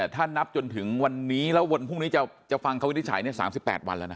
ถ้านับจนถึงวันนี้แล้ววันพรุ่งนี้จะฟังคำวินิจฉัย๓๘วันแล้วนะ